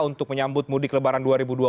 untuk menyambut mudik lebaran dua ribu dua puluh